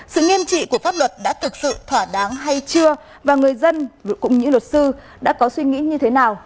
sự nghiêm trị của pháp luật đã thực sự thỏa đáng hay chưa và người dân cũng như luật sư đã có suy nghĩ như thế nào